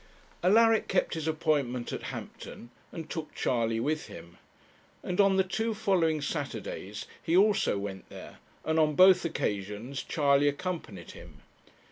Alaric kept his appointment at Hampton, and took Charley with him. And on the two following Saturdays he also went there, and on both occasions Charley accompanied him.